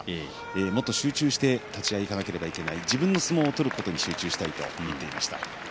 もっと集中して立ち合いいかなければいけない自分の相撲を取ることに集中していると話しています。